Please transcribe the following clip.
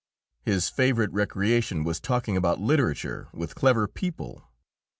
His favourite recreation was talking about literature with clever people.